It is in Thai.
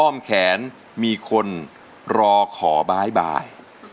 ้อมแขนมีคนรอขอบ๊ายบาย